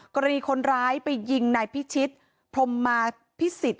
กรณีคนร้ายไปยิงนายพิชิตพรมมาพิสิทธิ